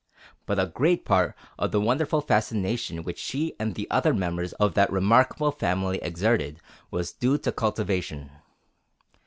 But a great part of the wonderful fascination which she and the other members of that remarkable family exerted, was due to cultivation.